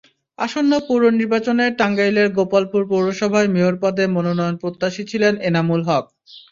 আসন্ন পৌর নির্বাচনে টাঙ্গাইলের গোপালপুর পৌরসভায় মেয়র পদে মনোনয়নপ্রত্যাশী ছিলেন এনামুল হক।